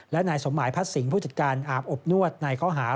และนายสมหมายพัดสิงห์ผู้จัดการอาบอบนวดในข้อหา